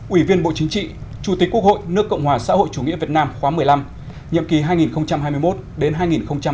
ủy viên bộ chính trị chủ tịch quốc hội nước cộng hòa xã hội chủ nghĩa việt nam khóa một mươi năm nhiệm kỳ hai nghìn hai mươi một đến hai nghìn hai mươi sáu